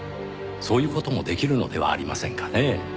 そういう事もできるのではありませんかねぇ。